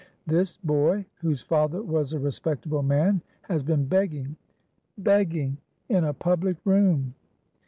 This boy—whose father was a respectable man—has been begging—begging! in a public room.